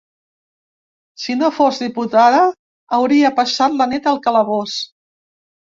Si no fos diputada hauria passat la nit al calabós!